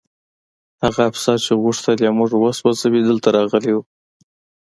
هغه افسر چې غوښتل یې موږ وسوځوي دلته راغلی و